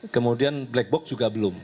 kemudian black box juga belum